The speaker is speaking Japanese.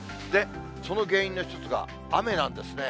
その原因の一つが、雨なんですね。